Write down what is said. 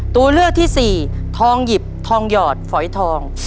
ตัวเลือกที่สี่ทองหยิบทองหยอดฝอยทอง